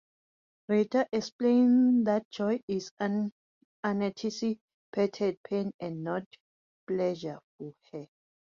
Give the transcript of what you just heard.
Rita explains that joy is unanticipated pain and not pleasure for her.